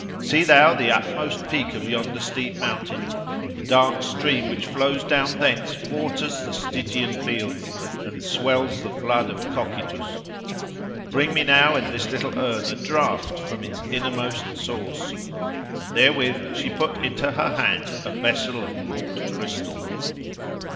Seest thou the utmost peak of yonder steep mountain? The dark stream which flows down thence waters the Stygian fields, and swells the flood of Cocytus. Bring me now, in this little urn, a draught from its innermost source." And therewith she put into her hands a vessel of wrought crystal.